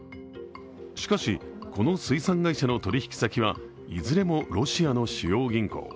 しかし、この水産会社の取引先はいずれもロシアの主要銀行。